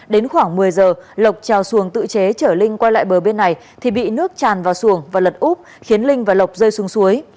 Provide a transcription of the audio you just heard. đến khoảng một mươi giờ lộc treo xuồng tự chế chở linh quay lại bờ bên này thì bị nước tràn vào xuồng và lật úp khiến linh và lộc rơi xuống suối